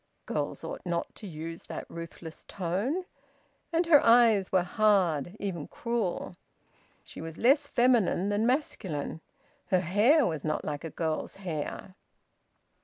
Girls ought not to use that ruthless tone. And her eyes were hard, even cruel. She was less feminine than masculine. Her hair was not like a girl's hair.